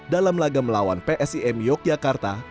dalam laga melawan psim yogyakarta